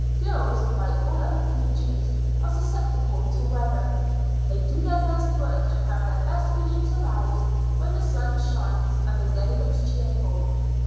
Girls, like all other creatures, are susceptible to weather; they do their best work and have their best feelings aroused when the sun shines and the day looks cheerful.